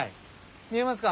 見えますか？